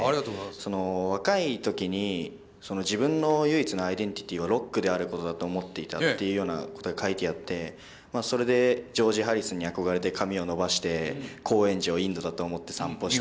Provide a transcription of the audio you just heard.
その若い時に自分の唯一のアイデンティティーはロックであることだと思っていたっていうようなことが書いてあってそれでジョージ・ハリスンに憧れて髪を伸ばして高円寺をインドだと思って散歩して。